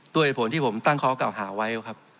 ด้วยเหตุผลที่ผมตั้งเคาะเก่าหาไว้